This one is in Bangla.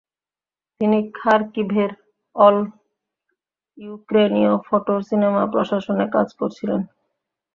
তিনি খারকিভের অল-ইউক্রেনীয় ফটো সিনেমা প্রশাসনে কাজ করেছিলেন।